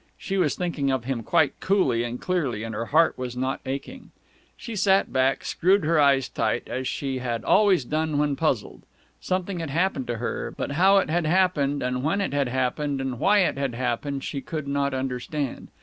She was thinking of him quite coolly and clearly and her heart was not aching. She sat back and screwed her eyes tight, as she had always done when puzzled. Something had happened to her, but how it had happened and when it had happened and why it had happened she could not understand.